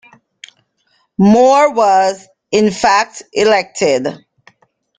Moore was, in fact, elected.